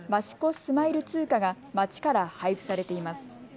スマイル通貨が町から配布されています。